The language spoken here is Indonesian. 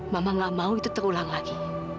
mama gak mau itu terulang lagi